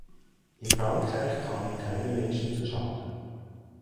In Frankreich kamen keine Menschen zu Schaden.